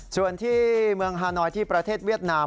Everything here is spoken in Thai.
ส่วนที่เมืองฮานอยที่ประเทศเวียดนาม